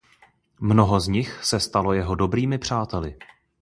Mnoho z nich se stalo jeho dobrými přáteli.